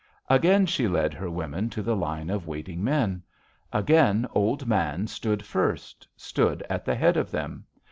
"Again she led her women to the line of waiting men. Again Old Man stood first, stood at the head of them.